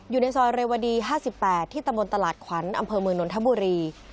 อยู่ในซอยเรวดี๕๘ที่ตะบนตลาดขวัญอำเภอเมืองนนทบุรี